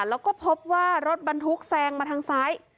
แล้วก็พบว่ารถบรรทุกแซงมาทางซ้าย